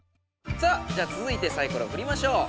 さあつづいてサイコロふりましょう。